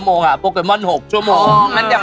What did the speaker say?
๓เดือนหาโปรเคมอนตลอด๒ชั่วโมงโปรเคมอน๖ชั่วโมง